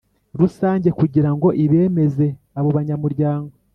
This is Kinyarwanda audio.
Rusange kugira ngo ibemeze abo banyamuryango